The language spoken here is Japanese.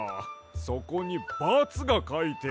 そこにバツがかいてある。